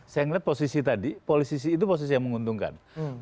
saya lihat posisi tadi polisisi itu posisi yang menguntungkan